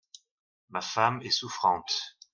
Ma femme est souffrante. …